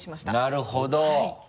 なるほど。